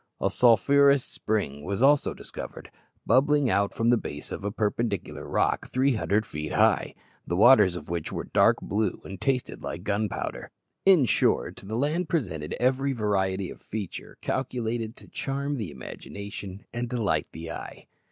A sulphurous spring was also discovered, bubbling out from the base of a perpendicular rock three hundred feet high, the waters of which were dark blue and tasted like gunpowder. In short, the land presented every variety of feature calculated to charm the imagination and delight the eye.